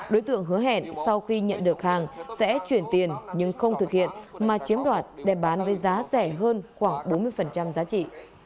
đối tượng hứa hẹn sau khi nhận được hàng sẽ chuyển tiền nhưng không thực hiện mà chiếm đoạt để bán với giá rẻ hơn khoảng bốn mươi giá trị